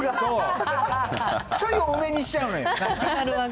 ちょい多めにしちゃうのよ。